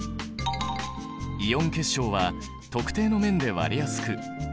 イオン結晶は特定の面で割れやすく融点が高い。